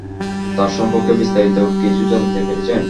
তার সম্পর্কে বিস্তারিত কিছু জানতে পেরেছেন?